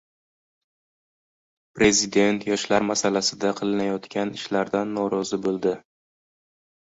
Prezident yoshlar masalasida qilinayotgan ishlardan norozi bo‘ldi